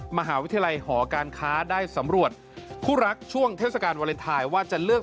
มหาวิทยาลัยหอการค้าได้สำรวจคู่รักช่วงเทศกาลวาเลนไทยว่าจะเลือก